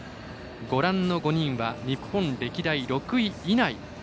ご覧の５人は日本歴代６位以内。